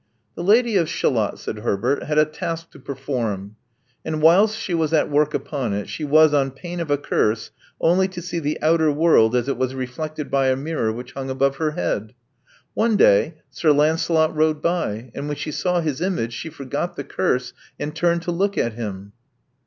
'*The Lady of Shalott," said Herbert, "had a task to perform ; and whilst she was at work upon it, she was, on pain of a curse, only to see the outer world as it was reflected by a mirror which hung above her head. One day,. Sir Lancelot rode by; and when she saw his image she forgot the curse and turned to look at him."